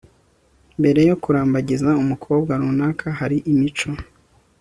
Mbere yo kurambagiza umukobwa runaka hari imico